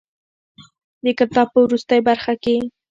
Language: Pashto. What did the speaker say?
د کتاب په وروستۍ برخه کې.